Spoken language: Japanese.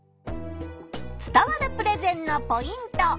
伝わるプレゼンのポイント。